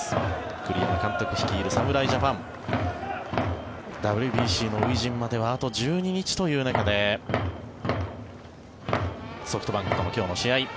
栗山監督率いる侍ジャパンＷＢＣの初陣まではあと１２日という中でソフトバンクとの今日の試合。